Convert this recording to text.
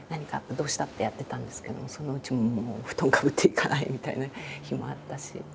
どうした？」ってやってたんですけどそのうち布団かぶって行かないみたいな日もあったし。